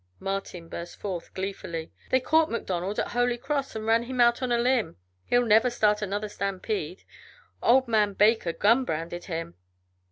Martin burst forth, gleefully: "They caught MacDonald at Holy Cross and ran him out on a limb. He'll never start another stampede. Old man Baker gun branded him."